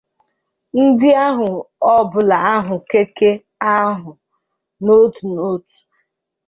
ndị nya ụgbọala ahụ Keke ahụ n'otu n'otu.